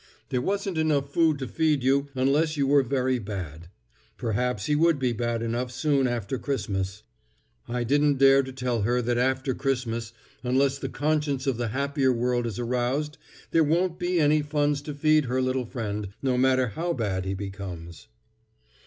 There wasn't enough food to feed you unless you were very bad. Perhaps he would be bad enough soon after Christmas. I didn't dare to tell her that after Christmas, unless the conscience of the happier world is aroused, there won't be any funds to feed her little friend, no matter how bad he becomes.